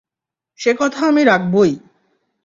সে কথা আমি রাখবোই!